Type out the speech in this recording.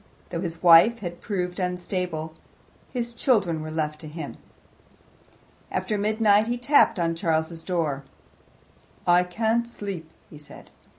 Though his wife had proved unstable his children were left to him. After midnight he tapped on Charles's door. "I can't sleep," he said.